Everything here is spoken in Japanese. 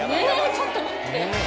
ちょっと待って。